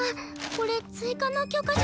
これ追加の許可書。